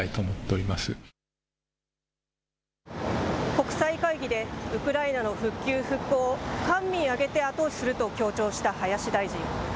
国際会議でウクライナの復旧・復興を、官民挙げで後押しすると強調した林大臣。